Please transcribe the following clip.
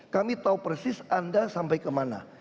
kami tahu persis anda sampai kemana